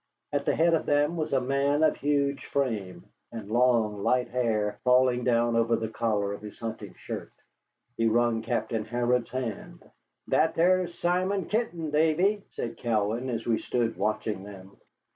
At the head of them was a man of huge frame, and long, light hair falling down over the collar of his hunting shirt. He wrung Captain Harrod's hand. "That there's Simon Kenton, Davy," said Cowan, as we stood watching them.